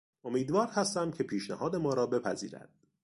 امیدوار هستم که پیشنهاد ما را بپذیرد.